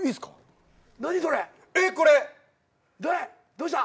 どうした？